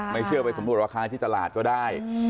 ไม่เชื่อไปสมมุติว่าค้าที่ตลาดก็ได้